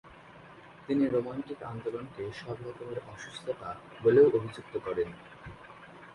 তিনি রোমান্টিক আন্দোলনকে "সব রকমের অসুস্থতা" বলেও অভিযুক্ত করেন।